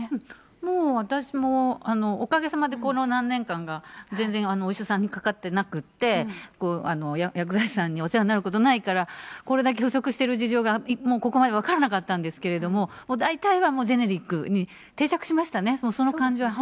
もう私もおかげさまで、この何年間か、全然お医者さんにかかってなくって、薬剤師さんにお世話になることないから、これだけ不足してる事情が、ここまで分からなかったんですけれども、大体はジェネリックに定着しましたね。